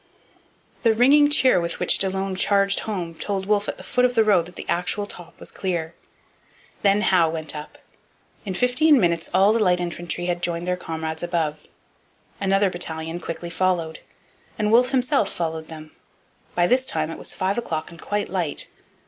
The ringing cheer with which Delaune charged home told Wolfe at the foot of the road that the actual top was clear. Then Howe went up; and in fifteen minutes all the light infantry had joined their comrades above. Another battalion followed quickly, and Wolfe himself followed them. By this time it was five o'clock and quite light.